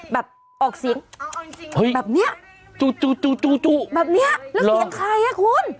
แบบออกเสียงแบบเนี้ยจู่จู่แบบนี้แล้วเสียงใครอ่ะคุณ